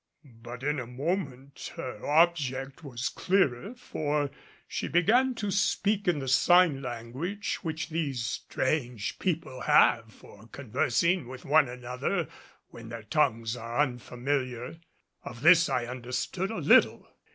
But in a moment her object was clearer, for she began to speak in the sign language which these strange people have for conversing with one another when their tongues are unfamiliar. Of this I understood a little.